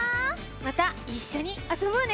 またいっしょにあそぼうね！